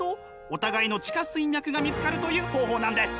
お互いの地下水脈が見つかるという方法なんです。